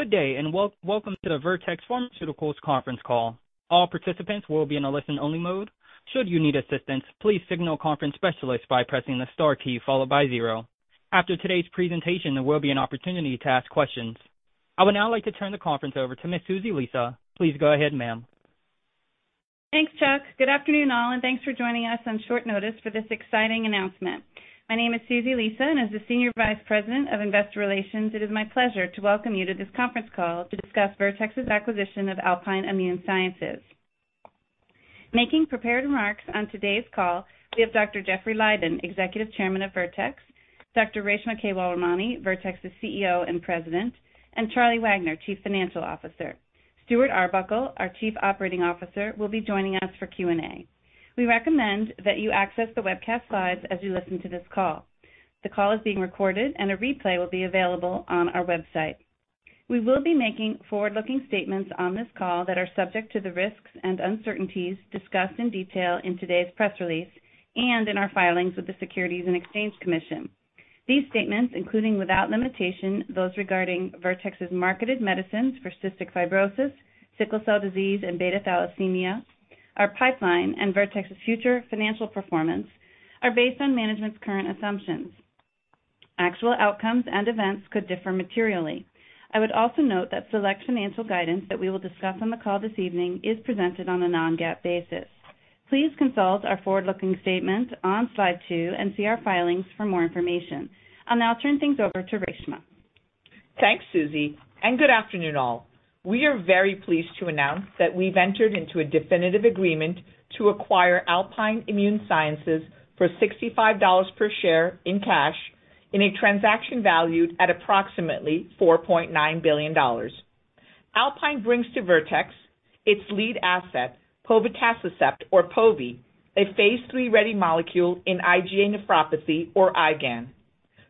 Good day and welcome to the Vertex Pharmaceuticals conference call. All participants will be in a listen-only mode. Should you need assistance, please signal conference specialists by pressing the star key followed by zero. After today's presentation, there will be an opportunity to ask questions. I would now like to turn the conference over to Ms. Susie Lisa. Please go ahead, ma'am. Thanks, Chuck. Good afternoon, all, and thanks for joining us on short notice for this exciting announcement. My name is Susie Lisa, and as the Senior Vice President of Investor Relations, it is my pleasure to welcome you to this conference call to discuss Vertex's acquisition of Alpine Immune Sciences. Making prepared remarks on today's call, we have Dr. Jeffrey Leiden, Executive Chairman of Vertex, Dr. Reshma Kewalramani, Vertex's CEO and President, and Charlie Wagner, Chief Financial Officer. Stuart Arbuckle, our Chief Operating Officer, will be joining us for Q&A. We recommend that you access the webcast slides as you listen to this call. The call is being recorded, and a replay will be available on our website. We will be making forward-looking statements on this call that are subject to the risks and uncertainties discussed in detail in today's press release and in our filings with the Securities and Exchange Commission. These statements, including without limitation those regarding Vertex's marketed medicines for cystic fibrosis, sickle cell disease, and beta thalassemia, our pipeline, and Vertex's future financial performance, are based on management's current assumptions. Actual outcomes and events could differ materially. I would also note that select financial guidance that we will discuss on the call this evening is presented on a non-GAAP basis. Please consult our forward-looking statement on slide two and see our filings for more information. I'll now turn things over to Reshma. Thanks, Susie, and good afternoon, all. We are very pleased to announce that we've entered into a definitive agreement to acquire Alpine Immune Sciences for $65 per share in cash in a transaction valued at approximately $4.9 billion. Alpine brings to Vertex, its lead asset, Povetacicept, or Povi, a phase 3 ready molecule in IgA nephropathy, or IgAN.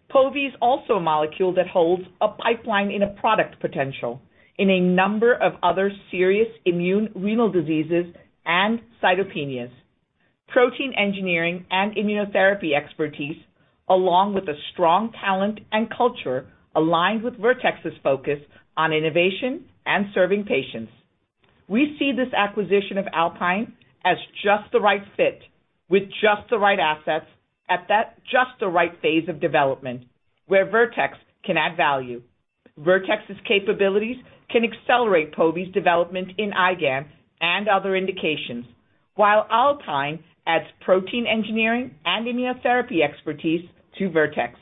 Povi is also a molecule that holds a pipeline in a product potential in a number of other serious immune renal diseases and cytopenias, protein engineering and immunotherapy expertise, along with a strong talent and culture aligned with Vertex's focus on innovation and serving patients. We see this acquisition of Alpine as just the right fit, with just the right assets, at that just the right phase of development where Vertex can add value. Vertex's capabilities can accelerate Povi's development in IgAN and other indications, while Alpine adds protein engineering and immunotherapy expertise to Vertex.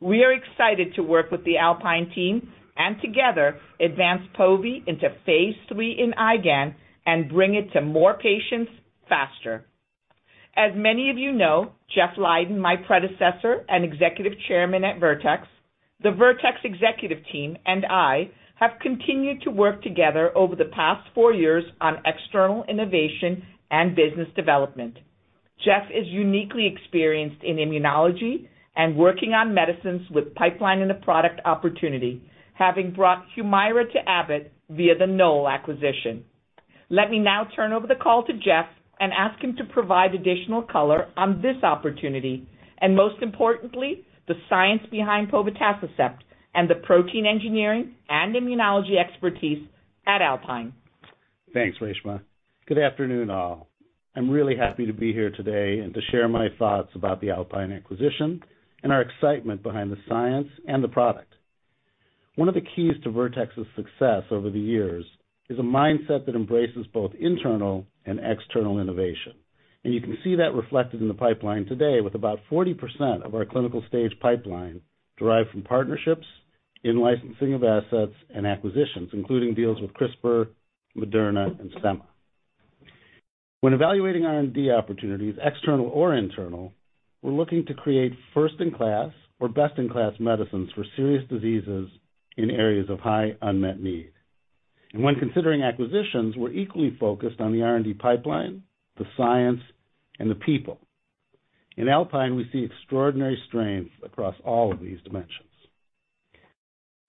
We are excited to work with the Alpine team and together advance Povi into phase 3 in IgAN and bring it to more patients faster. As many of you know, Jeff Leiden, my predecessor and Executive Chairman at Vertex, the Vertex executive team and I have continued to work together over the past four years on external innovation and business development. Jeff is uniquely experienced in immunology and working on medicines with pipeline in a product opportunity, having brought HUMIRA to Abbott via the Knoll acquisition. Let me now turn over the call to Jeff and ask him to provide additional color on this opportunity and, most importantly, the science behind Povetacicept and the protein engineering and immunology expertise at Alpine. Thanks, Reshma. Good afternoon, all. I'm really happy to be here today and to share my thoughts about the Alpine acquisition and our excitement behind the science and the product. One of the keys to Vertex's success over the years is a mindset that embraces both internal and external innovation, and you can see that reflected in the pipeline today with about 40% of our clinical stage pipeline derived from partnerships in licensing of assets and acquisitions, including deals with CRISPR, Moderna, and Semma. When evaluating R&D opportunities, external or internal, we're looking to create first-in-class or best-in-class medicines for serious diseases in areas of high unmet need. When considering acquisitions, we're equally focused on the R&D pipeline, the science, and the people. In Alpine, we see extraordinary strength across all of these dimensions.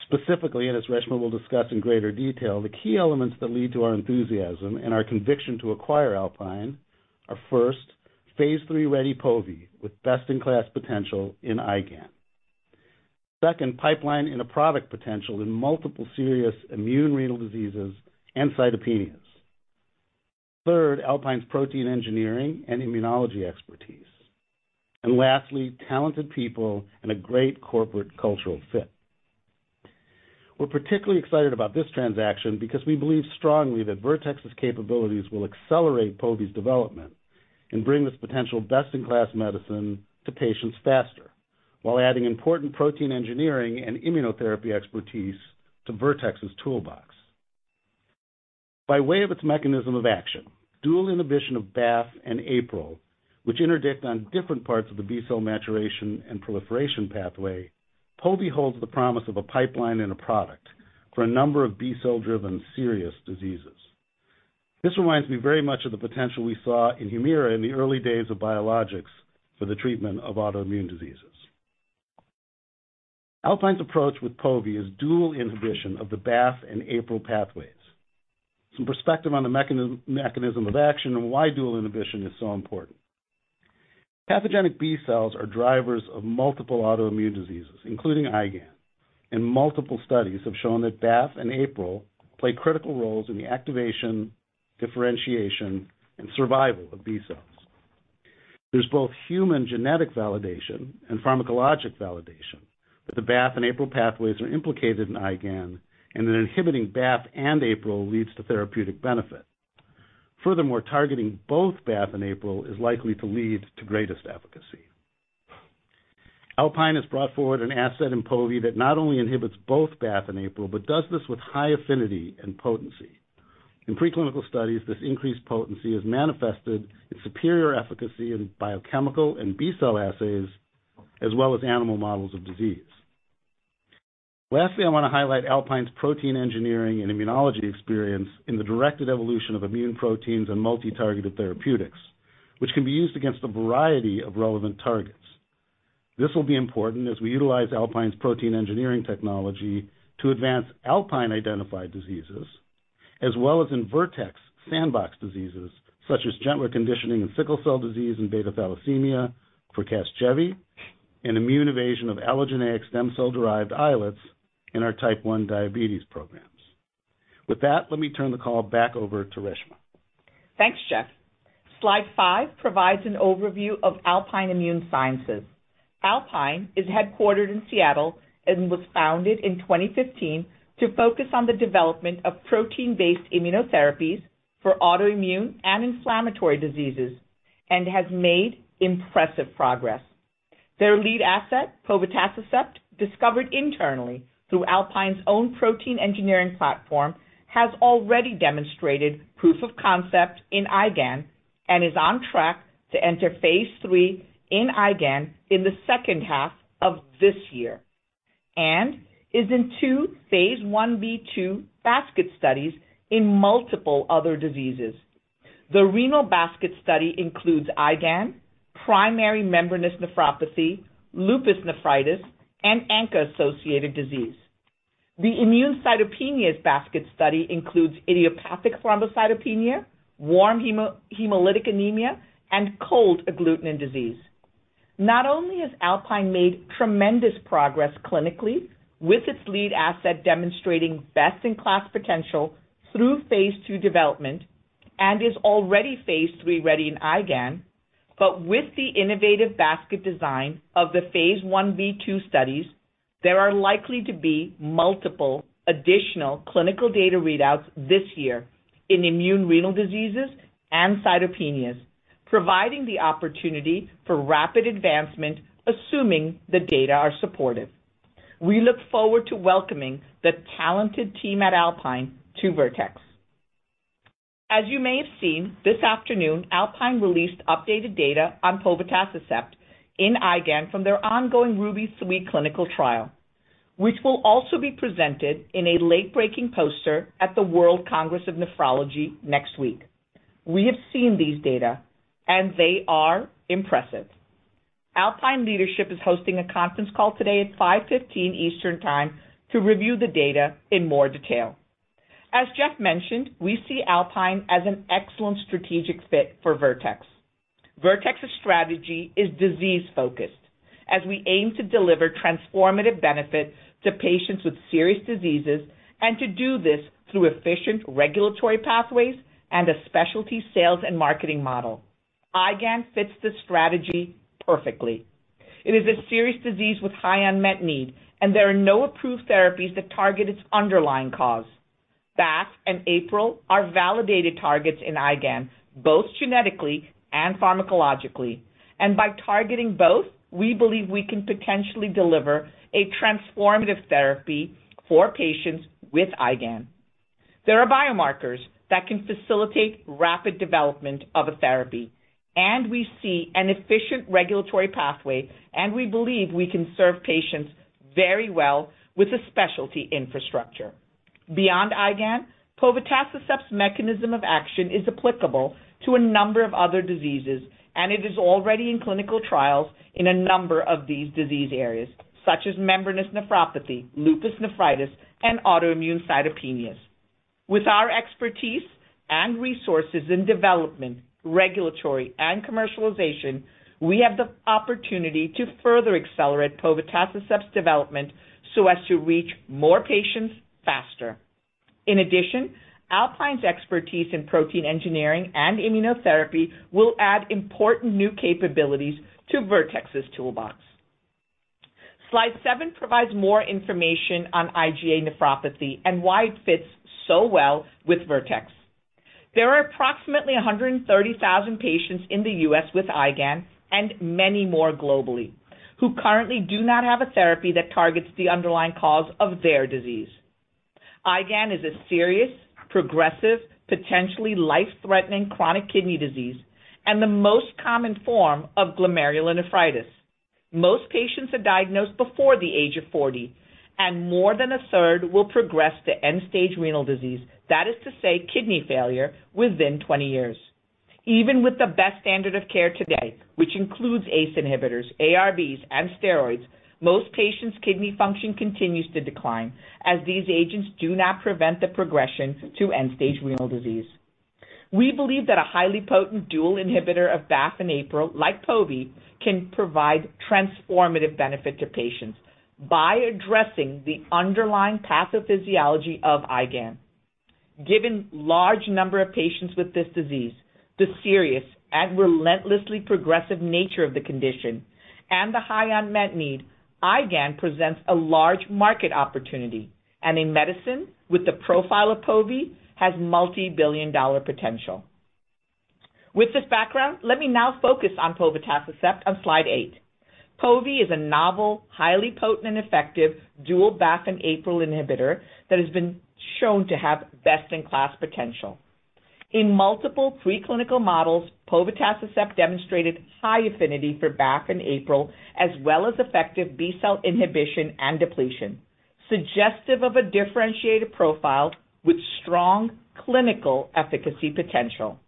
Specifically, and as Reshma will discuss in greater detail, the key elements that lead to our enthusiasm and our conviction to acquire Alpine are, first, phase 3 ready Povi with best-in-class potential in IgAN. Second, pipeline in a product potential in multiple serious immune renal diseases and cytopenias. Third, Alpine's protein engineering and immunology expertise. And lastly, talented people and a great corporate cultural fit. We're particularly excited about this transaction because we believe strongly that Vertex's capabilities will accelerate Povi's development and bring this potential best-in-class medicine to patients faster, while adding important protein engineering and immunotherapy expertise to Vertex's toolbox. By way of its mechanism of action, dual inhibition of BAFF and APRIL, which interdict on different parts of the B-cell maturation and proliferation pathway, Povi holds the promise of a pipeline in a product for a number of B-cell-driven serious diseases. This reminds me very much of the potential we saw in HUMIRA in the early days of biologics for the treatment of autoimmune diseases. Alpine's approach with Povi is dual inhibition of the BAFF and APRIL pathways. Some perspective on the mechanism of action and why dual inhibition is so important. Pathogenic B-cells are drivers of multiple autoimmune diseases, including IgAN, and multiple studies have shown that BAFF and APRIL play critical roles in the activation, differentiation, and survival of B-cells. There's both human genetic validation and pharmacologic validation that the BAFF and APRIL pathways are implicated in IgAN and that inhibiting BAFF and APRIL leads to therapeutic benefit. Furthermore, targeting both BAFF and APRIL is likely to lead to greatest efficacy. Alpine has brought forward an asset in Povi that not only inhibits both BAFF and APRIL but does this with high affinity and potency. In preclinical studies, this increased potency is manifested in superior efficacy in biochemical and B-cell assays as well as animal models of disease. Lastly, I want to highlight Alpine's protein engineering and immunology experience in the directed evolution of immune proteins and multitargeted therapeutics, which can be used against a variety of relevant targets. This will be important as we utilize Alpine's protein engineering technology to advance Alpine-identified diseases as well as in Vertex sandbox diseases such as gentler conditioning in sickle cell disease and beta thalassemia for Casgevy, and immune evasion of allogeneic stem cell-derived islets in our type 1 diabetes programs. With that, let me turn the call back over to Reshma. Thanks, Jeff. Slide five provides an overview of Alpine Immune Sciences. Alpine is headquartered in Seattle and was founded in 2015 to focus on the development of protein-based immunotherapies for autoimmune and inflammatory diseases and has made impressive progress. Their lead asset, Povetacicept, discovered internally through Alpine's own protein engineering platform, has already demonstrated proof of concept in IgAN and is on track to enter phase 3 in IgAN in the second half of this year and is in two phase 1b/2 basket studies in multiple other diseases. The renal basket study includes IgAN, primary membranous nephropathy, lupus nephritis, and ANCA-associated disease. The immune cytopenias basket study includes idiopathic thrombocytopenia, warm hemolytic anemia, and cold agglutinin disease. Not only has Alpine made tremendous progress clinically with its lead asset demonstrating best-in-class potential through phase 2 development and is already phase 3 ready in IgAN, but with the innovative basket design of the phase 1b/2 studies, there are likely to be multiple additional clinical data readouts this year in immune renal diseases and cytopenias, providing the opportunity for rapid advancement assuming the data are supportive. We look forward to welcoming the talented team at Alpine to Vertex. As you may have seen this afternoon, Alpine released updated data on Povetacicept in IgAN from their ongoing RUBY-3 clinical trial, which will also be presented in a late-breaking poster at the World Congress of Nephrology next week. We have seen these data, and they are impressive. Alpine leadership is hosting a conference call today at 5:15 P.M. Eastern Time to review the data in more detail. As Jeff mentioned, we see Alpine as an excellent strategic fit for Vertex. Vertex's strategy is disease-focused as we aim to deliver transformative benefit to patients with serious diseases and to do this through efficient regulatory pathways and a specialty sales and marketing model. IgAN fits this strategy perfectly. It is a serious disease with high unmet need, and there are no approved therapies that target its underlying cause. BAFF and APRIL are validated targets in IgAN, both genetically and pharmacologically, and by targeting both, we believe we can potentially deliver a transformative therapy for patients with IgAN. There are biomarkers that can facilitate rapid development of a therapy, and we see an efficient regulatory pathway, and we believe we can serve patients very well with a specialty infrastructure. Beyond IgAN, Povetacicept's mechanism of action is applicable to a number of other diseases, and it is already in clinical trials in a number of these disease areas such as membranous nephropathy, lupus nephritis, and autoimmune cytopenias. With our expertise and resources in development, regulatory, and commercialization, we have the opportunity to further accelerate Povetacicept's development so as to reach more patients faster. In addition, Alpine's expertise in protein engineering and immunotherapy will add important new capabilities to Vertex's toolbox. Slide seven provides more information on IgA nephropathy and why it fits so well with Vertex. There are approximately 130,000 patients in the U.S. with IgAN and many more globally who currently do not have a therapy that targets the underlying cause of their disease. IgAN is a serious, progressive, potentially life-threatening chronic kidney disease and the most common form of glomerulonephritis. Most patients are diagnosed before the age of 40, and more than a third will progress to end-stage renal disease, that is to say, kidney failure, within 20 years. Even with the best standard of care today, which includes ACE inhibitors, ARBs, and steroids, most patients' kidney function continues to decline as these agents do not prevent the progression to end-stage renal disease. We believe that a highly potent dual inhibitor of BAFF and APRIL, like Povi, can provide transformative benefit to patients by addressing the underlying pathophysiology of IgAN. Given the large number of patients with this disease, the serious and relentlessly progressive nature of the condition, and the high unmet need, IgAN presents a large market opportunity, and a medicine with the profile of Povi has multi-billion dollar potential. With this background, let me now focus on Povetacicept on slide eight. Povi is a novel, highly potent, and effective dual BAFF and APRIL inhibitor that has been shown to have best-in-class potential. In multiple preclinical models, Povetacicept demonstrated high affinity for BAFF and APRIL as well as effective B-cell inhibition and depletion, suggestive of a differentiated profile with strong clinical efficacy potential.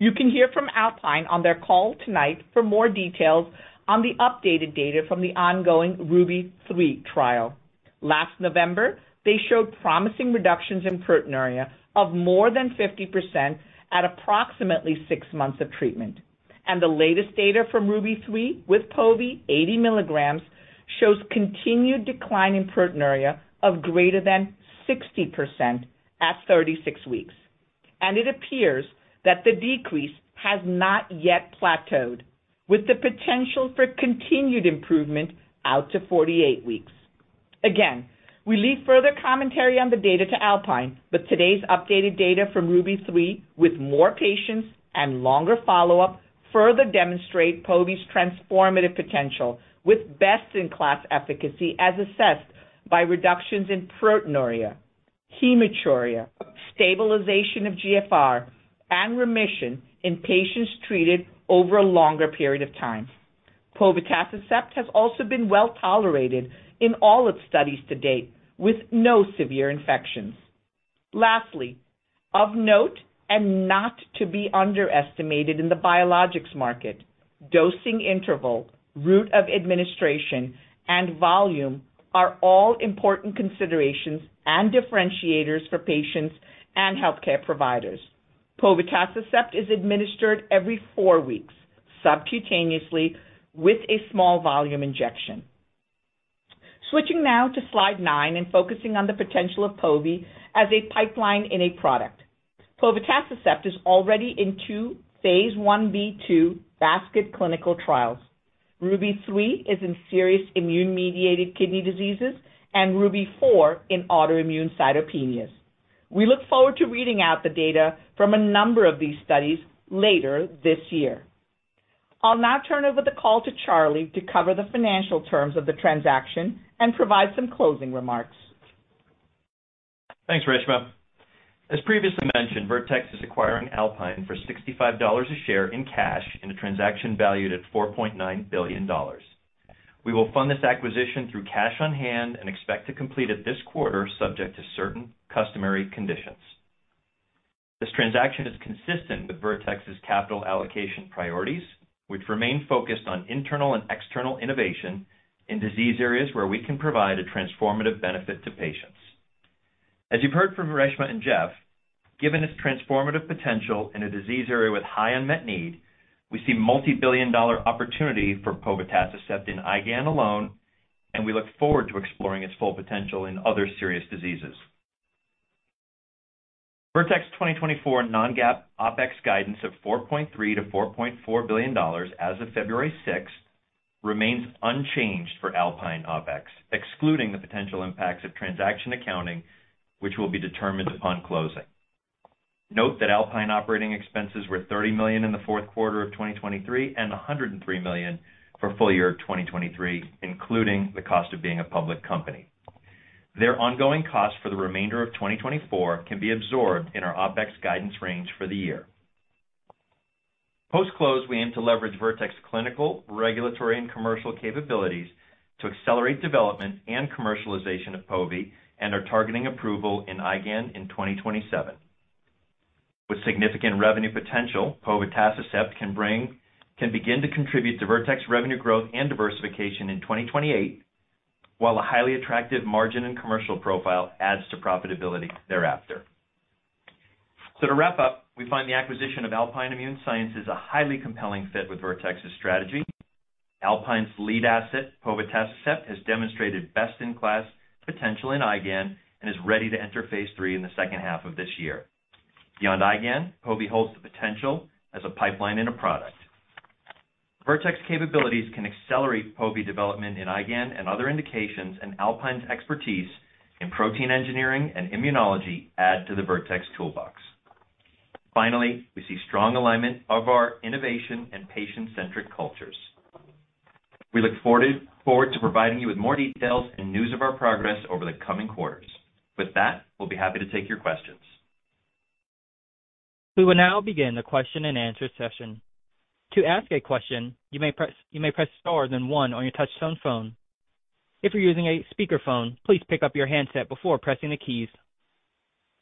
You can hear from Alpine on their call tonight for more details on the updated data from the ongoing RUBY-3 trial. Last November, they showed promising reductions in proteinuria of more than 50% at approximately six months of treatment, and the latest data from RUBY-3 with Povi, 80 milligrams, shows continued decline in proteinuria of greater than 60% at 36 weeks, and it appears that the decrease has not yet plateaued, with the potential for continued improvement out to 48 weeks. Again, we leave further commentary on the data to Alpine, but today's updated data from RUBY-3 with more patients and longer follow-up further demonstrate Povi's transformative potential with best-in-class efficacy as assessed by reductions in proteinuria, hematuria, stabilization of GFR, and remission in patients treated over a longer period of time. Povetacicept has also been well tolerated in all its studies to date with no severe infections. Lastly, of note and not to be underestimated in the biologics market, dosing interval, route of administration, and volume are all important considerations and differentiators for patients and healthcare providers. Povetacicept is administered every four weeks subcutaneously with a small volume injection. Switching now to slide nine and focusing on the potential of Povi as a pipeline in a product. Povetacicept is already in two phase 1b/2 basket clinical trials. RUBY-3 is in serious immune-mediated kidney diseases and RUBY-4 in autoimmune cytopenias. We look forward to reading out the data from a number of these studies later this year. I'll now turn over the call to Charlie to cover the financial terms of the transaction and provide some closing remarks. Thanks, Reshma. As previously mentioned, Vertex is acquiring Alpine for $65 a share in cash in a transaction valued at $4.9 billion. We will fund this acquisition through cash on hand and expect to complete it this quarter subject to certain customary conditions. This transaction is consistent with Vertex's capital allocation priorities, which remain focused on internal and external innovation in disease areas where we can provide a transformative benefit to patients. As you've heard from Reshma and Jeff, given its transformative potential in a disease area with high unmet need, we see multi-billion dollar opportunity for Povetacicept in IgAN alone, and we look forward to exploring its full potential in other serious diseases. Vertex's 2024 non-GAAP OpEx guidance of $4.3-$4.4 billion as of February 6 remains unchanged for Alpine OpEx, excluding the potential impacts of transaction accounting, which will be determined upon closing. Note that Alpine operating expenses were $30 million in the fourth quarter of 2023 and $103 million for full year 2023, including the cost of being a public company. Their ongoing costs for the remainder of 2024 can be absorbed in our OpEx guidance range for the year. Post-close, we aim to leverage Vertex's clinical, regulatory, and commercial capabilities to accelerate development and commercialization of Povi and are targeting approval in IgAN in 2027. With significant revenue potential, Povetacicept can begin to contribute to Vertex's revenue growth and diversification in 2028, while a highly attractive margin and commercial profile adds to profitability thereafter. So to wrap up, we find the acquisition of Alpine Immune Sciences a highly compelling fit with Vertex's strategy. Alpine's lead asset, Povetacicept, has demonstrated best-in-class potential in IgAN and is ready to enter phase 3 in the second half of this year. Beyond IgAN, Povi holds the potential as a pipeline in a product. Vertex's capabilities can accelerate Povi development in IgAN and other indications, and Alpine's expertise in protein engineering and immunology add to the Vertex toolbox. Finally, we see strong alignment of our innovation and patient-centric cultures. We look forward to providing you with more details and news of our progress over the coming quarters. With that, we'll be happy to take your questions. We will now begin the question-and-answer session. To ask a question, you may press star then one on your touch-tone phone. If you're using a speakerphone, please pick up your handset before pressing the keys.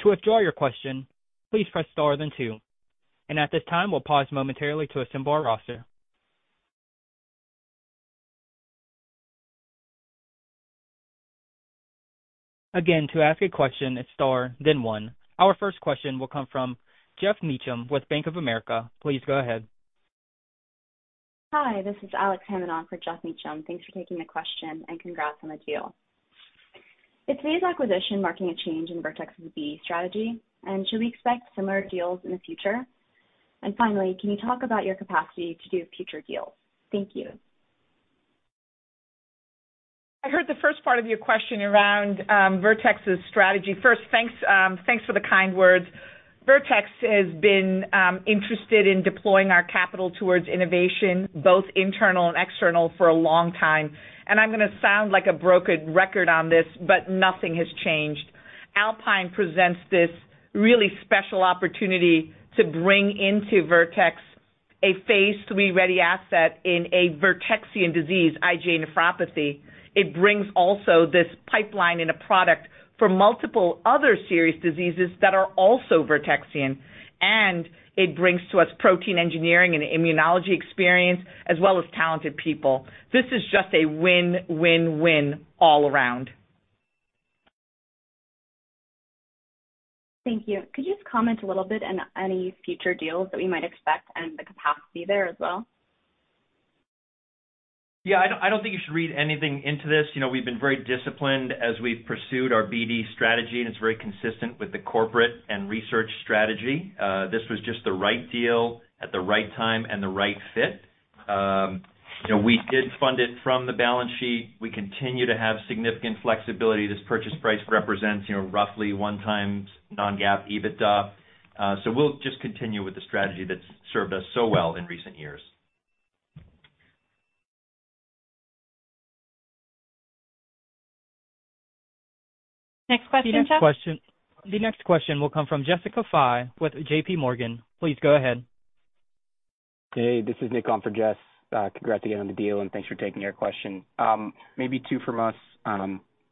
To withdraw your question, please press star then two. At this time, we'll pause momentarily to assemble our roster. Again, to ask a question, it's star then one. Our first question will come from Geoff Meacham with Bank of America. Please go ahead. Hi, this is Alex Hammond for Geoff Meacham. Thanks for taking the question, and congrats on the deal. Is today's acquisition marking a change in Vertex's M&A strategy, and should we expect similar deals in the future? And finally, can you talk about your capacity to do future deals? Thank you. I heard the first part of your question around Vertex's strategy. First, thanks for the kind words. Vertex has been interested in deploying our capital towards innovation, both internal and external, for a long time. And I'm going to sound like a broken record on this, but nothing has changed. Alpine presents this really special opportunity to bring into Vertex a phase 3 ready asset in a Vertexian disease, IgA nephropathy. It brings also this pipeline in a product for multiple other serious diseases that are also Vertexian, and it brings to us protein engineering and immunology experience as well as talented people. This is just a win-win-win all around. Thank you. Could you just comment a little bit on any future deals that we might expect and the capacity there as well? Yeah, I don't think you should read anything into this. We've been very disciplined as we've pursued our BD strategy, and it's very consistent with the corporate and research strategy. This was just the right deal at the right time and the right fit. We did fund it from the balance sheet. We continue to have significant flexibility. This purchase price represents roughly 1x non-GAAP EBITDA. So we'll just continue with the strategy that's served us so well in recent years. Next question, Jeff? The next question will come from Jessica Fye with JPMorgan. Please go ahead. Hey, this is Nick on for Jess. Congrats again on the deal, and thanks for taking your question. Maybe two from us.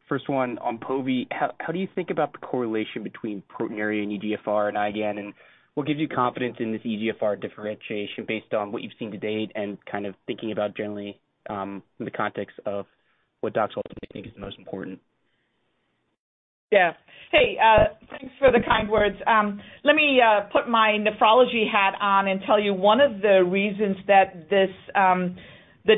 First one on Povi, how do you think about the correlation between proteinuria and eGFR and IgAN? And we'll give you confidence in this eGFR differentiation based on what you've seen to date and kind of thinking about generally in the context of what Doc's ultimate think is the most important. Yeah. Hey, thanks for the kind words. Let me put my nephrology hat on and tell you one of the reasons that the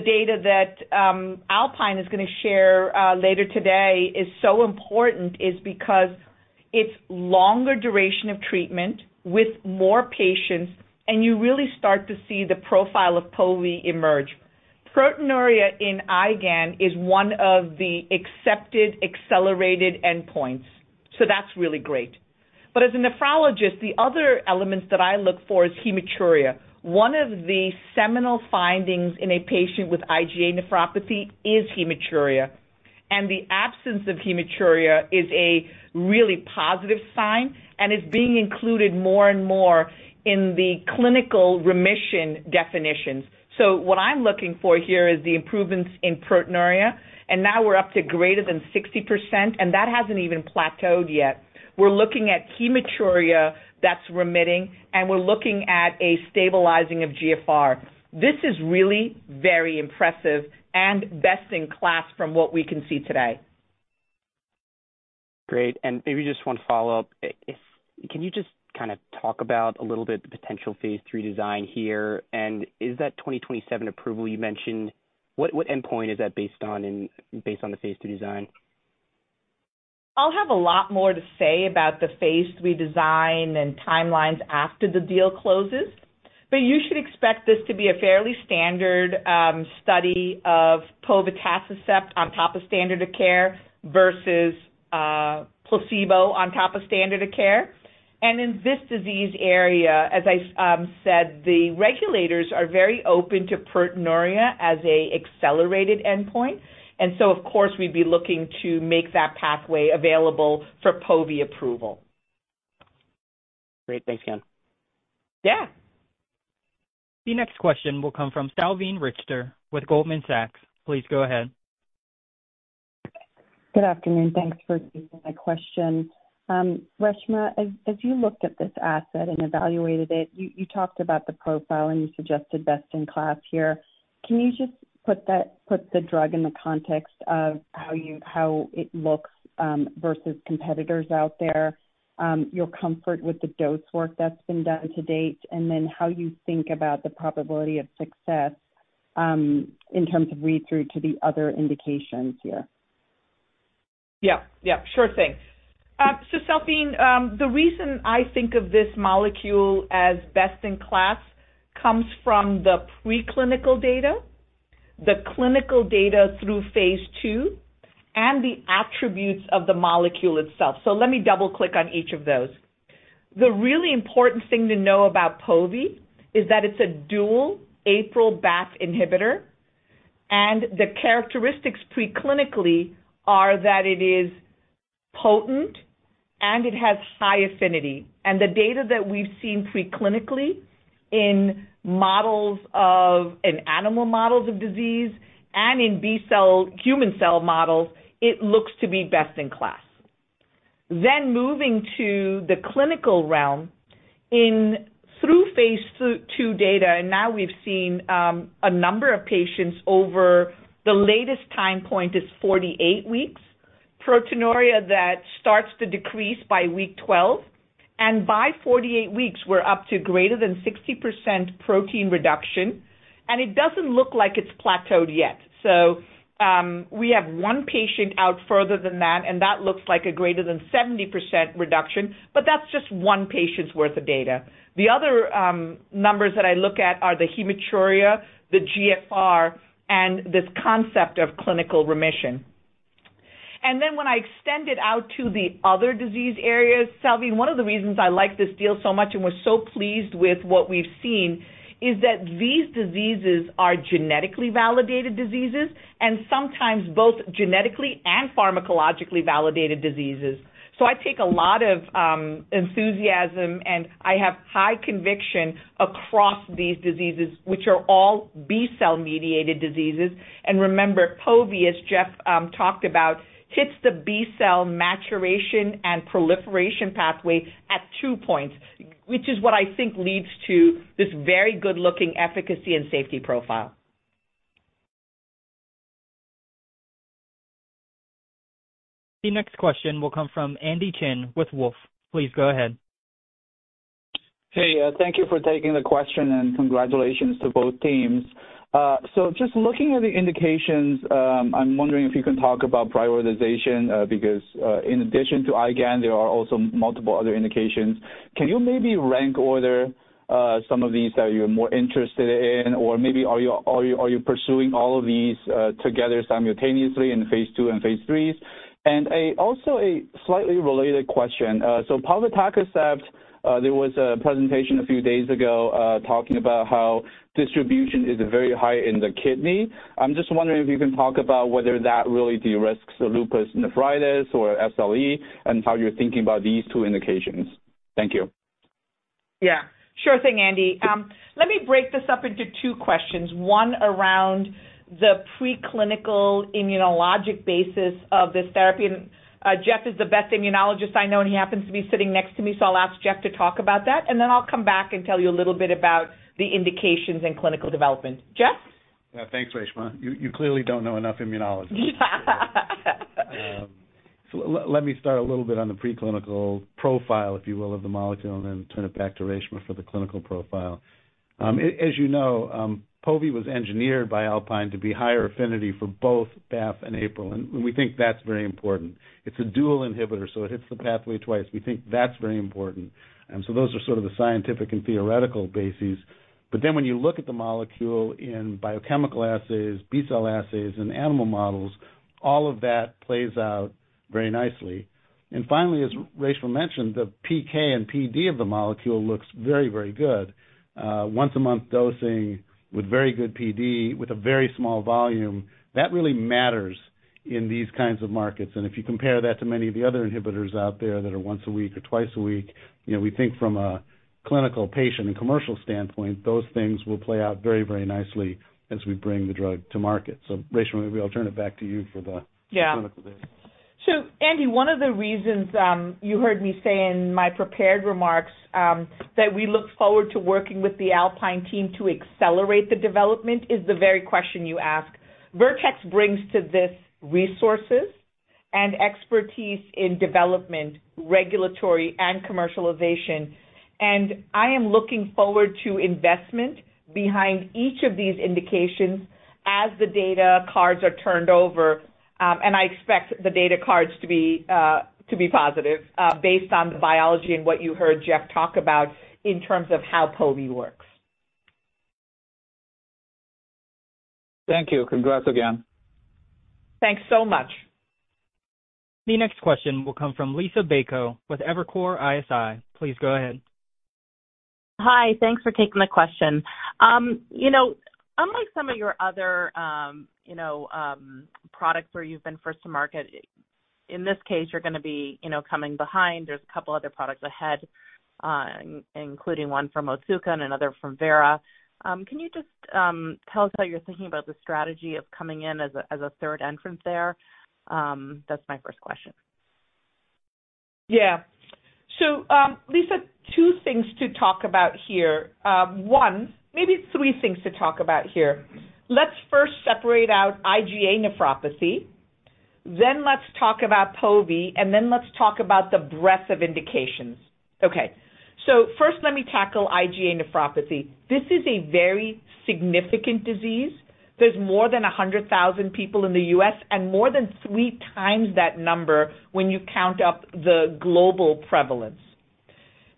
data that Alpine is going to share later today is so important is because it's longer duration of treatment with more patients, and you really start to see the profile of Povi emerge. Proteinuria in IgAN is one of the accepted accelerated endpoints, so that's really great. But as a nephrologist, the other elements that I look for is hematuria. One of the seminal findings in a patient with IgA nephropathy is hematuria, and the absence of hematuria is a really positive sign and is being included more and more in the clinical remission definitions. So what I'm looking for here is the improvements in proteinuria, and now we're up to greater than 60%, and that hasn't even plateaued yet. We're looking at hematuria that's remitting, and we're looking at a stabilizing of GFR. This is really very impressive and best-in-class from what we can see today. Great. And maybe just one follow-up. Can you just kind of talk about a little bit the potential phase 3 design here? And is that 2027 approval you mentioned, what endpoint is that based on the phase 3 design? I'll have a lot more to say about the phase 3 design and timelines after the deal closes, but you should expect this to be a fairly standard study of Povetacicept on top of standard of care versus placebo on top of standard of care. And in this disease area, as I said, the regulators are very open to proteinuria as an accelerated endpoint. And so, of course, we'd be looking to make that pathway available for Povi approval. Great. Thanks, Ian. Yeah. The next question will come from Salveen Richter with Goldman Sachs. Please go ahead. Good afternoon. Thanks for taking my question. Reshma, as you looked at this asset and evaluated it, you talked about the profile, and you suggested best-in-class here. Can you just put the drug in the context of how it looks versus competitors out there, your comfort with the dose work that's been done to date, and then how you think about the probability of success in terms of read-through to the other indications here? Yeah. Yeah. Sure thing. So Salveen, the reason I think of this molecule as best-in-class comes from the preclinical data, the clinical data through phase 2, and the attributes of the molecule itself. So let me double-click on each of those. The really important thing to know about Povi is that it's a dual APRIL-BAFF inhibitor, and the characteristics preclinically are that it is potent and it has high affinity. And the data that we've seen preclinically in models of and animal models of disease and in human cell models, it looks to be best-in-class. Then moving to the clinical realm, through phase 2 data, and now we've seen a number of patients. The latest time point is 48 weeks, proteinuria that starts to decrease by week 12. And by 48 weeks, we're up to greater than 60% protein reduction, and it doesn't look like it's plateaued yet. So we have one patient out further than that, and that looks like a greater than 70% reduction, but that's just one patient's worth of data. The other numbers that I look at are the hematuria, the GFR, and this concept of clinical remission. And then when I extend it out to the other disease areas, Salveen, one of the reasons I like this deal so much and was so pleased with what we've seen is that these diseases are genetically validated diseases and sometimes both genetically and pharmacologically validated diseases. So I take a lot of enthusiasm, and I have high conviction across these diseases, which are all B-cell mediated diseases. And remember, Povi as Jeff talked about hits the B-cell maturation and proliferation pathway at two points, which is what I think leads to this very good-looking efficacy and safety profile. The next question will come from Andy Chen with Wolfe. Please go ahead. Hey, thank you for taking the question, and congratulations to both teams. So just looking at the indications, I'm wondering if you can talk about prioritization because in addition to IgAN, there are also multiple other indications. Can you maybe rank order some of these that you're more interested in, or maybe are you pursuing all of these together simultaneously in phase 2 and phase 3s? And also a slightly related question. So Povetacicept, there was a presentation a few days ago talking about how distribution is very high in the kidney. I'm just wondering if you can talk about whether that really de-risks lupus nephritis or SLE and how you're thinking about these two indications. Thank you. Yeah. Sure thing, Andy. Let me break this up into two questions, one around the preclinical immunologic basis of this therapy. Jeff is the best immunologist I know, and he happens to be sitting next to me, so I'll ask Jeff to talk about that, and then I'll come back and tell you a little bit about the indications and clinical development. Jeff? Yeah, thanks, Reshma. You clearly don't know enough immunology. So let me start a little bit on the preclinical profile, if you will, of the molecule, and then turn it back to Reshma for the clinical profile. As you know, Povi was engineered by Alpine to be higher affinity for both BAFF and APRIL, and we think that's very important. It's a dual inhibitor, so it hits the pathway twice. We think that's very important. So those are sort of the scientific and theoretical bases. But then when you look at the molecule in biochemical assays, B-cell assays, and animal models, all of that plays out very nicely. And finally, as Reshma mentioned, the PK and PD of the molecule looks very, very good. Once-a-month dosing with very good PD with a very small volume, that really matters in these kinds of markets. And if you compare that to many of the other inhibitors out there that are once a week or twice a week, we think from a clinical patient and commercial standpoint, those things will play out very, very nicely as we bring the drug to market. So Reshma, maybe I'll turn it back to you for the clinical data. Yeah. So Andy, one of the reasons you heard me say in my prepared remarks that we look forward to working with the Alpine team to accelerate the development is the very question you asked. Vertex brings to this resources and expertise in development, regulatory, and commercialization. And I am looking forward to investment behind each of these indications as the data cards are turned over. And I expect the data cards to be positive based on the biology and what you heard Jeff talk about in terms of how Povi works. Thank you. Congrats again. Thanks so much. The next question will come from Liisa Bayko with Evercore ISI. Please go ahead. Hi. Thanks for taking the question. Unlike some of your other products where you've been first to market, in this case, you're going to be coming behind. There's a couple of other products ahead, including one from Otsuka and another from Vera. Can you just tell us how you're thinking about the strategy of coming in as a third entrant there? That's my first question. Yeah. So Lisa, two things to talk about here. One, maybe three things to talk about here. Let's first separate out IgA nephropathy, then let's talk about Povi, and then let's talk about the breadth of indications. Okay. So first, let me tackle IgA nephropathy. This is a very significant disease. There's more than 100,000 people in the U.S. and more than three times that number when you count up the global prevalence.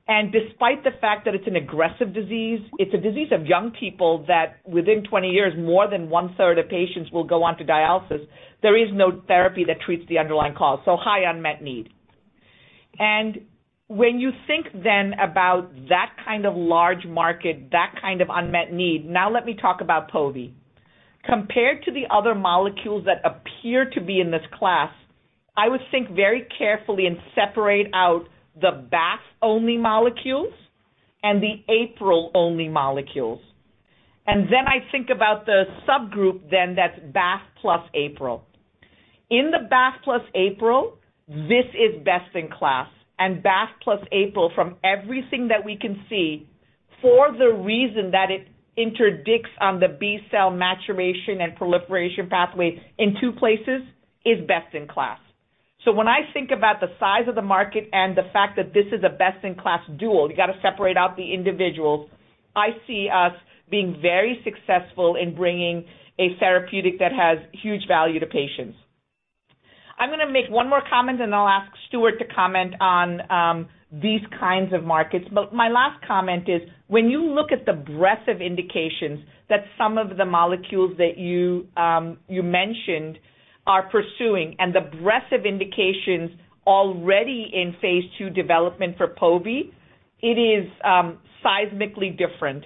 And despite the fact that it's an aggressive disease, it's a disease of young people that within 20 years, more than one-third of patients will go on to dialysis. There is no therapy that treats the underlying cause, so high unmet need. And when you think then about that kind of large market, that kind of unmet need, now let me talk about Povi. Compared to the other molecules that appear to be in this class, I would think very carefully and separate out the BAFF-only molecules and the APRIL-only molecules. Then I think about the subgroup then that's BAFF plus APRIL. In the BAFF plus APRIL, this is best-in-class. And BAFF plus APRIL, from everything that we can see, for the reason that it interdicts on the B-cell maturation and proliferation pathway in two places, is best-in-class. So when I think about the size of the market and the fact that this is a best-in-class dual, you got to separate out the individuals, I see us being very successful in bringing a therapeutic that has huge value to patients. I'm going to make one more comment, and then I'll ask Stuart to comment on these kinds of markets. But my last comment is when you look at the breadth of indications that some of the molecules that you mentioned are pursuing and the breadth of indications already in phase 2 development for Povi, it is seismically different.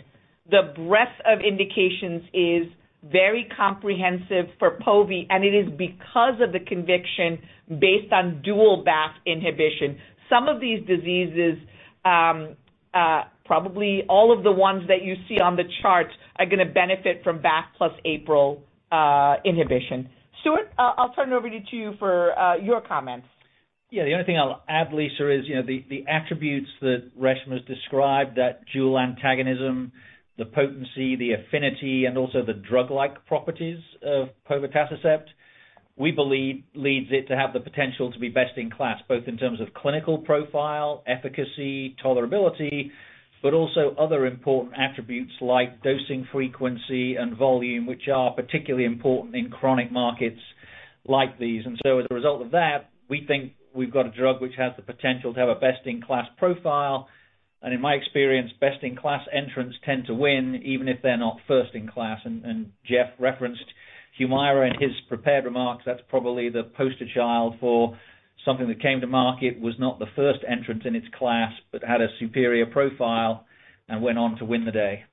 The breadth of indications is very comprehensive for Povi, and it is because of the conviction based on dual BAF inhibition. Some of these diseases, probably all of the ones that you see on the chart, are going to benefit from BAF plus April inhibition. Stuart, I'll turn it over to you for your comments. Yeah. The only thing I'll add, Lisa, is the attributes that Reshma's described, that dual antagonism, the potency, the affinity, and also the drug-like properties of Povetacicept. We believe leads it to have the potential to be best-in-class both in terms of clinical profile, efficacy, tolerability, but also other important attributes like dosing frequency and volume, which are particularly important in chronic markets like these. And so as a result of that, we think we've got a drug which has the potential to have a best-in-class profile. And in my experience, best-in-class entrants tend to win even if they're not first-in-class. And Jeff referenced HUMIRA in his prepared remarks. That's probably the poster child for something that came to market, was not the first entrant in its class but had a superior profile and went on to win the day.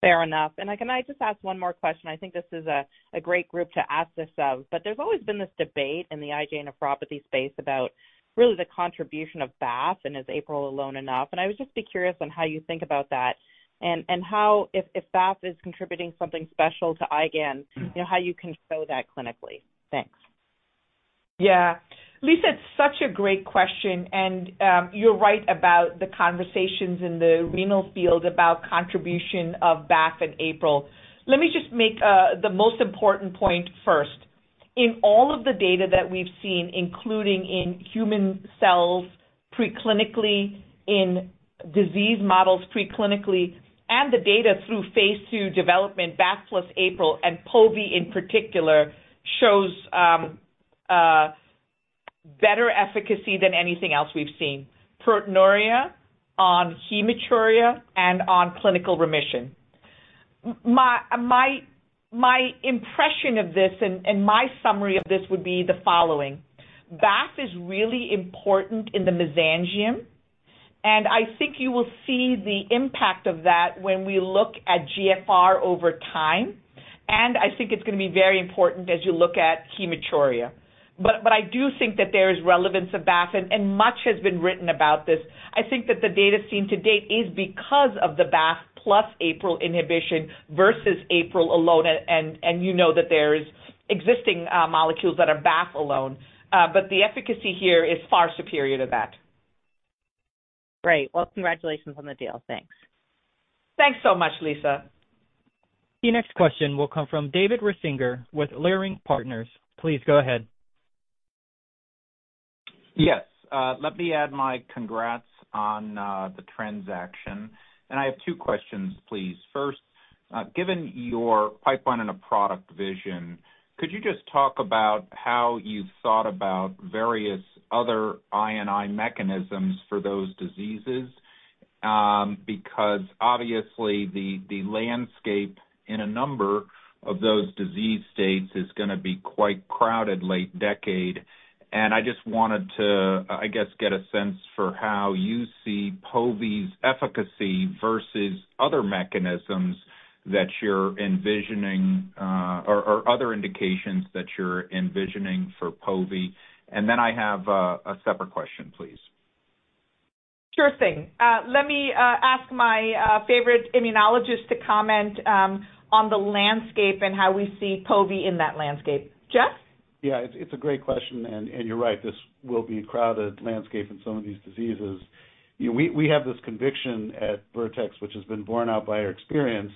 Fair enough. And can I just ask one more question? I think this is a great group to ask this of. But there's always been this debate in the IgA nephropathy space about really the contribution of BAFF and is APRIL alone enough. And I would just be curious on how you think about that and how if BAFF is contributing something special to IgAN, how you can show that clinically? Thanks. Yeah. Lisa, it's such a great question. And you're right about the conversations in the renal field about contribution of BAFF and APRIL. Let me just make the most important point first. In all of the data that we've seen, including in human cells preclinically, in disease models preclinically, and the data through phase 2 development, BAFF plus APRIL and Povi in particular, shows better efficacy than anything else we've seen: proteinuria on hematuria and on clinical remission. My impression of this and my summary of this would be the following: BAFF is really important in the mesangium, and I think you will see the impact of that when we look at GFR over time. And I think it's going to be very important as you look at hematuria. But I do think that there is relevance of BAFF, and much has been written about this. I think that the data seen to date is because of the BAFF plus APRIL inhibition versus APRIL alone. And you know that there are existing molecules that are BAFF alone. But the efficacy here is far superior to that. Great. Well, congratulations on the deal. Thanks. Thanks so much, Lisa. The next question will come from David Risinger with Leerink Partners. Please go ahead. Yes. Let me add my congrats on the transaction. And I have two questions, please. First, given your pipeline and a product vision, could you just talk about how you've thought about various other INI mechanisms for those diseases? Because obviously, the landscape in a number of those disease states is going to be quite crowded late decade. And I just wanted to, I guess, get a sense for how you see Povi's efficacy versus other mechanisms that you're envisioning or other indications that you're envisioning for Povi. And then I have a separate question, please. Sure thing. Let me ask my favorite immunologist to comment on the landscape and how we see Povi in that landscape. Jeff? Yeah. It's a great question. You're right. This will be a crowded landscape in some of these diseases. We have this conviction at Vertex, which has been borne out by our experience,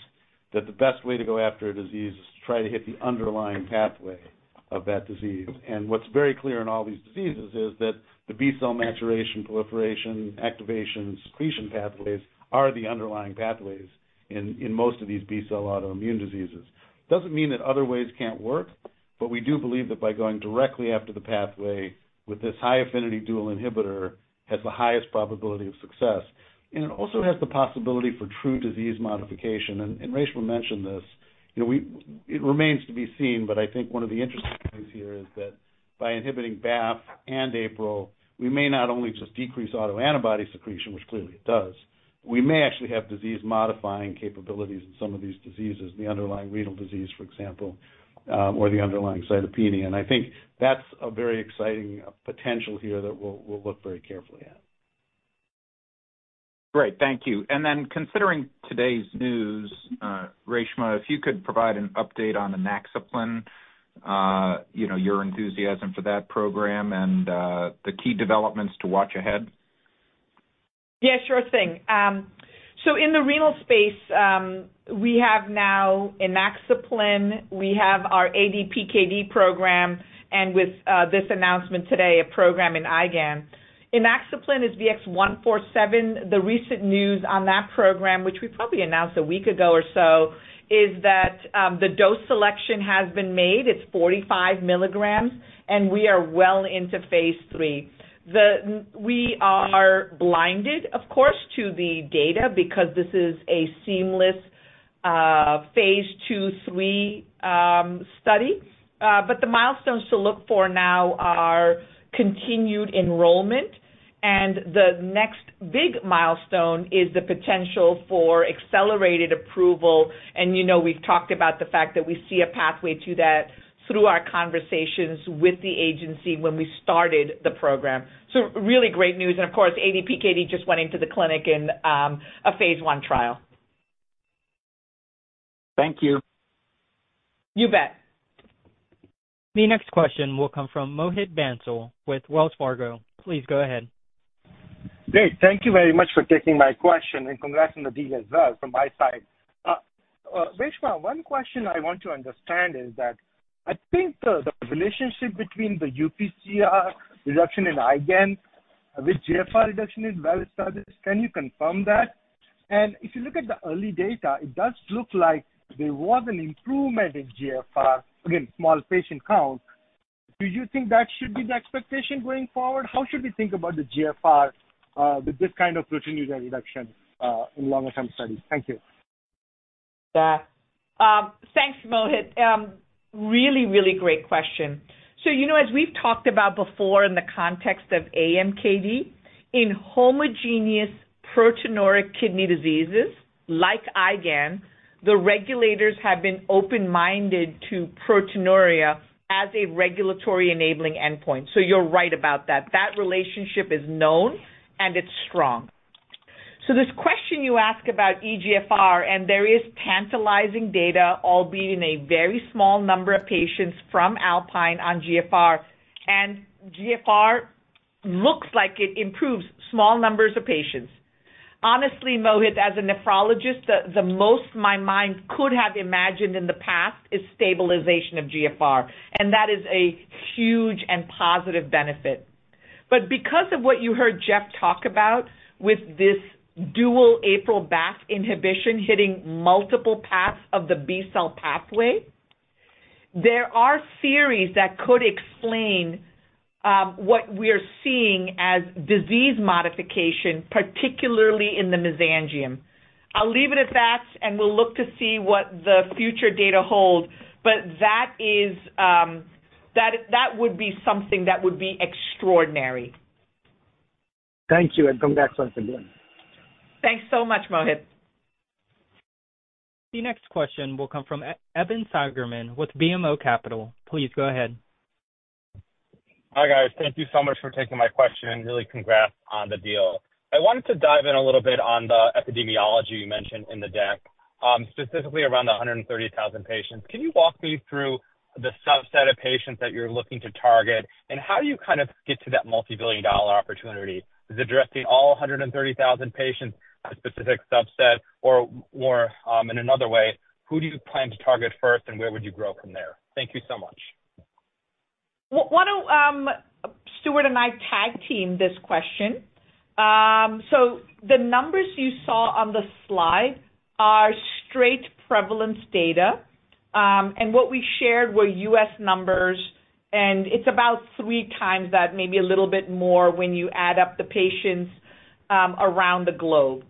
that the best way to go after a disease is to try to hit the underlying pathway of that disease. What's very clear in all these diseases is that the B-cell maturation, proliferation, activation, and secretion pathways are the underlying pathways in most of these B-cell autoimmune diseases. Doesn't mean that other ways can't work, but we do believe that by going directly after the pathway with this high-affinity dual inhibitor, it has the highest probability of success. It also has the possibility for true disease modification. Reshma mentioned this. It remains to be seen, but I think one of the interesting things here is that by inhibiting BAFF and APRIL, we may not only just decrease autoantibody secretion, which clearly it does, we may actually have disease-modifying capabilities in some of these diseases, the underlying renal disease, for example, or the underlying cytopenia. I think that's a very exciting potential here that we'll look very carefully at. Great. Thank you. And then considering today's news, Reshma, if you could provide an update on Inaxaplin, your enthusiasm for that program, and the key developments to watch ahead? Yeah. Sure thing. So in the renal space, we have now Inaxaplin. We have our ADPKD program. And with this announcement today, a program in IgAN. Inaxaplin is VX-147. The recent news on that program, which we probably announced a week ago or so, is that the dose selection has been made. It's 45 milligrams, and we are well into phase 3. We are blinded, of course, to the data because this is a seamless phase 2, 3 study. But the milestones to look for now are continued enrollment. And the next big milestone is the potential for accelerated approval. And we've talked about the fact that we see a pathway to that through our conversations with the agency when we started the program. So really great news. And of course, ADPKD just went into the clinic in a phase 1 trial. Thank you. You bet. The next question will come from Mohit Bansal with Wells Fargo. Please go ahead. Great. Thank you very much for taking my question. And congrats on the deal as well from my side. Reshma, one question I want to understand is that I think the relationship between the UPCR reduction in IgAN with GFR reduction is well established. Can you confirm that? And if you look at the early data, it does look like there was an improvement in GFR, again, small patient count. Do you think that should be the expectation going forward? How should we think about the GFR with this kind of proteinuria reduction in longer-term studies? Thank you. Yeah. Thanks, Mohit. Really, really great question. So as we've talked about before in the context of AMKD, in homogeneous proteinuric kidney diseases like IgAN, the regulators have been open-minded to proteinuria as a regulatory-enabling endpoint. So you're right about that. That relationship is known, and it's strong. So this question you ask about eGFR, and there is tantalizing data, albeit in a very small number of patients from Alpine on GFR. And GFR looks like it improves small numbers of patients. Honestly, Mohit, as a nephrologist, the most my mind could have imagined in the past is stabilization of GFR. And that is a huge and positive benefit. But because of what you heard Jeff talk about with this dual APRIL BAFF inhibition hitting multiple paths of the B-cell pathway, there are theories that could explain what we are seeing as disease modification, particularly in the mesangium. I'll leave it at that, and we'll look to see what the future data hold. But that would be something that would be extraordinary. Thank you. And congrats once again. Thanks so much, Mohit. The next question will come from Evan Seigerman with BMO Capital. Please go ahead. Hi, guys. Thank you so much for taking my question. Really congrats on the deal. I wanted to dive in a little bit on the epidemiology you mentioned in the deck, specifically around the 130,000 patients. Can you walk me through the subset of patients that you're looking to target and how do you kind of get to that multi-billion-dollar opportunity? Is it directing all 130,000 patients to a specific subset? Or in another way, who do you plan to target first, and where would you grow from there? Thank you so much. I want Stuart and I to tag team this question. So the numbers you saw on the slide are straight prevalence data. And what we shared were U.S. numbers. And it's about three times that, maybe a little bit more when you add up the patients around the globe.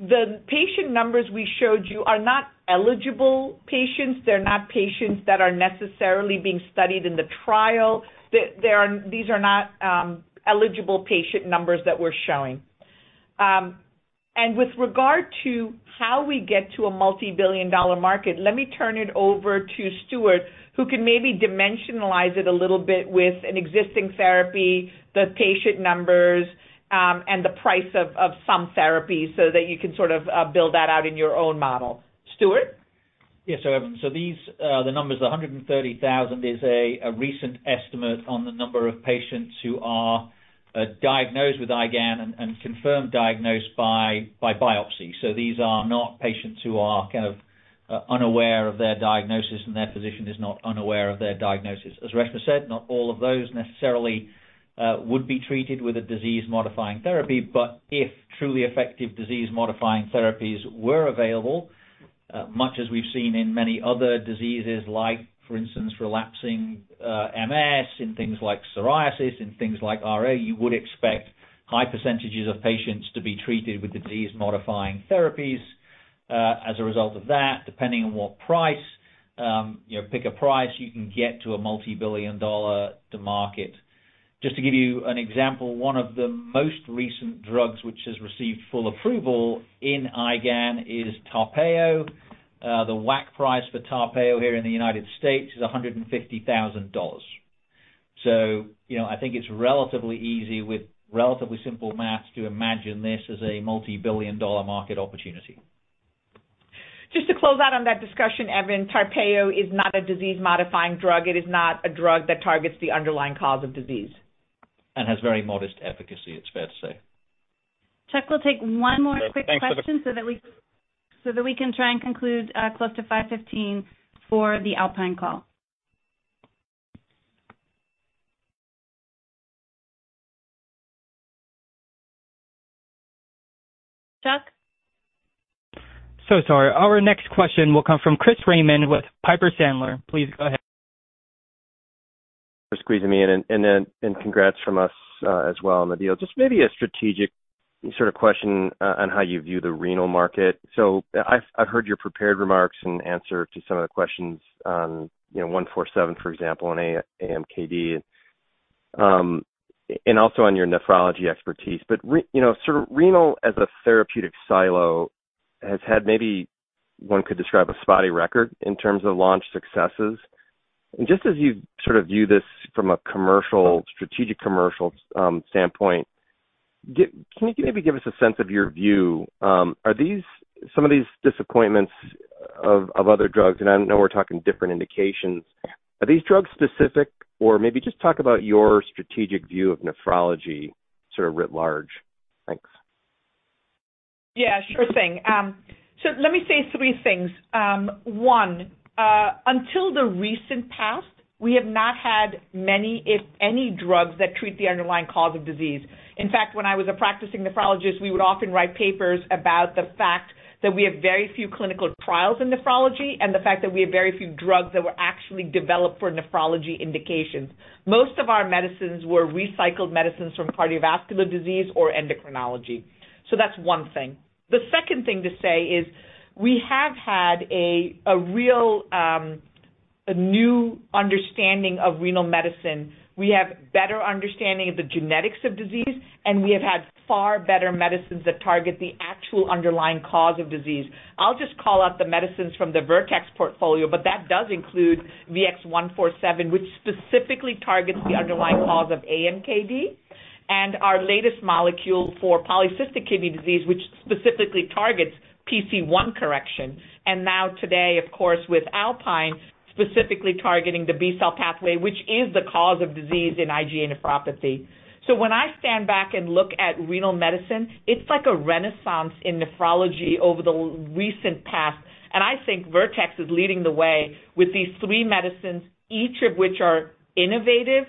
The patient numbers we showed you are not eligible patients. They're not patients that are necessarily being studied in the trial. These are not eligible patient numbers that we're showing. And with regard to how we get to a multi-billion-dollar market, let me turn it over to Stuart, who can maybe dimensionalize it a little bit with an existing therapy, the patient numbers, and the price of some therapy so that you can sort of build that out in your own model. Stuart? Yeah. So the numbers, the 130,000, is a recent estimate on the number of patients who are diagnosed with IgAN and confirmed diagnosed by biopsy. So these are not patients who are kind of unaware of their diagnosis, and their physician is not unaware of their diagnosis. As Reshma said, not all of those necessarily would be treated with a disease-modifying therapy. But if truly effective disease-modifying therapies were available, much as we've seen in many other diseases like, for instance, relapsing MS, in things like psoriasis, in things like RA, you would expect high percentages of patients to be treated with disease-modifying therapies as a result of that, depending on what price. Pick a price. You can get to a multi-billion-dollar to market. Just to give you an example, one of the most recent drugs which has received full approval in IgAN is TARPEYO. The WAC price for TARPEYO here in the United States is $150,000. I think it's relatively easy with relatively simple math to imagine this as a multi-billion-dollar market opportunity. Just to close out on that discussion, Evan, TARPEYO is not a disease-modifying drug. It is not a drug that targets the underlying cause of disease. Has very modest efficacy, it's fair to say. Chuck, we'll take one more quick question so that we can try and conclude close to 5:15 for the Alpine call. Chuck? So sorry. Our next question will come from Chris Raymond with Piper Sandler. Please go ahead. For squeezing me in. Then congrats from us as well on the deal. Just maybe a strategic sort of question on how you view the renal market. I've heard your prepared remarks and answer to some of the questions on 147, for example, on AMKD and also on your nephrology expertise. Sort of renal as a therapeutic silo has had, maybe one could describe, a spotty record in terms of launch successes. Just as you sort of view this from a strategic commercial standpoint, can you maybe give us a sense of your view? Are some of these disappointments of other drugs - and I know we're talking different indications - are these drug-specific? Or maybe just talk about your strategic view of nephrology sort of writ large. Thanks. Yeah. Sure thing. So let me say three things. One, until the recent past, we have not had many, if any, drugs that treat the underlying cause of disease. In fact, when I was a practicing nephrologist, we would often write papers about the fact that we have very few clinical trials in nephrology and the fact that we have very few drugs that were actually developed for nephrology indications. Most of our medicines were recycled medicines from cardiovascular disease or endocrinology. So that's one thing. The second thing to say is we have had a real new understanding of renal medicine. We have better understanding of the genetics of disease, and we have had far better medicines that target the actual underlying cause of disease. I'll just call out the medicines from the Vertex portfolio, but that does include VX147, which specifically targets the underlying cause of AMKD, and our latest molecule for polycystic kidney disease, which specifically targets PC1 correction. And now today, of course, with Alpine, specifically targeting the B-cell pathway, which is the cause of disease in IgA nephropathy. So when I stand back and look at renal medicine, it's like a renaissance in nephrology over the recent past. And I think Vertex is leading the way with these three medicines, each of which are innovative,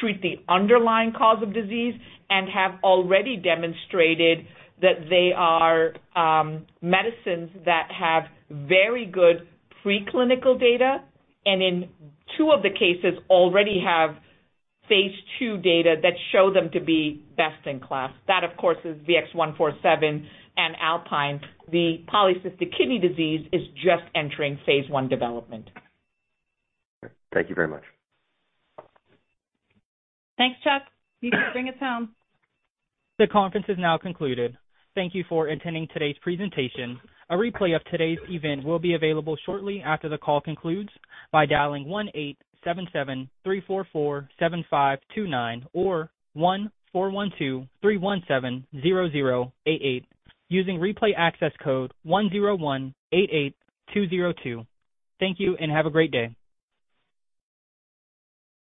treat the underlying cause of disease, and have already demonstrated that they are medicines that have very good preclinical data and in two of the cases already have phase 2 data that show them to be best in class. That, of course, is VX147 and Alpine. The polycystic kidney disease is just entering phase 1 development. Thank you very much. Thanks, Chuck. You can bring us home. The conference is now concluded. Thank you for attending today's presentation. A replay of today's event will be available shortly after the call concludes by dialing 1-877-344-7529 or 1-412-317-0088 using replay access code 10188202. Thank you, and have a great day.